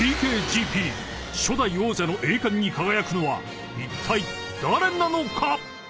［ＴＫＧＰ初代王者の栄冠に輝くのはいったい誰なのか⁉］